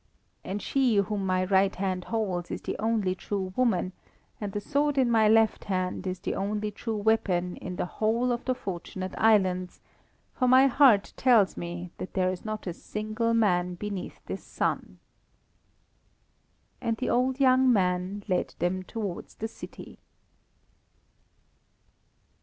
"And she whom my right hand holds is the only true woman, and the sword in my left hand is the only true weapon in the whole of the Fortunate Islands, for my heart tells me that there is not a single man beneath this sun." And the old young man led them towards the city.